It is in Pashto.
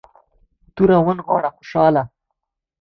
توره ونغاړه خوشحاله.